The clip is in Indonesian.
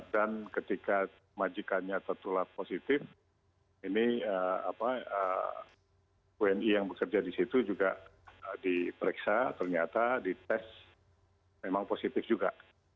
dan ketika majikannya tertular positif ini wni yang bekerja di situ juga diperiksa ternyata di tes memang positif juga